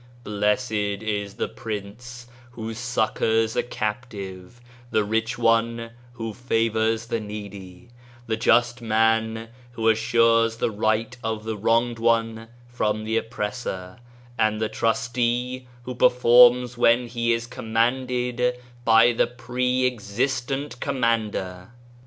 ^ Blessed is the prince who succours a captive, the rich one who favours the needy, the just man who assures the right of the wronged one from the oppressor, and the trustee who performs what he is commanded by the Pre existent Commander."